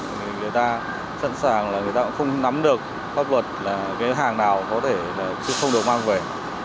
người ta sẵn sàng không nắm được phát vật hàng nào không được mang về